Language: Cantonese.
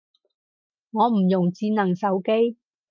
我唔用智能手機